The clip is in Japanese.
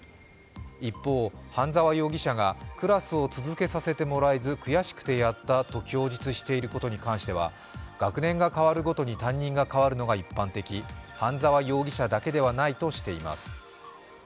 一方、半沢容疑者がクラスを続けさせてもらえず悔しくてやったと供述していることに関しても、学年が変わるごとに担任が代わるのが一般的半沢容疑者だけではないとしています。